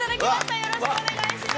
よろしくお願いします。